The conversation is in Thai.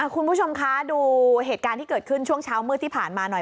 คุณผู้ชมคะดูเหตุการณ์ที่เกิดขึ้นช่วงเช้ามืดที่ผ่านมาหน่อย